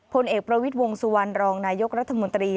ผลเอกประวิทย์วงสุวรรณรองนายกรัฐมนตรี